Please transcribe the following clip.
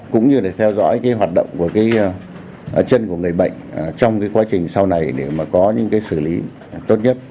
cũng như để theo dõi hoạt động chân của người bệnh trong quá trình sau này để có những xử lý tốt nhất